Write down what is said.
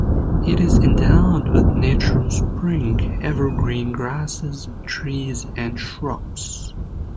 It is endowed with natural spring, evergreen grasses, trees and shrubs.